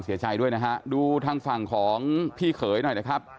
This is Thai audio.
เกรียดชีวิตแล้วนะครับค่ะดูทางฝั่งของพี่เขยหน่อยนะครับ